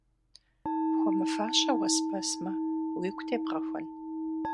Пхуэмыфащэ уэспэсмэ, уигу тебгъэхуэн?